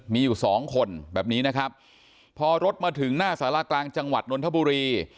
มีอยู่สองคนแบบนี้นะครับพอรถมาถึงหน้าสารากลางจังหวัดนนทบุรี